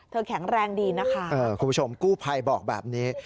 แข็งแรงดีนะคะคุณผู้ชมกู้ภัยบอกแบบนี้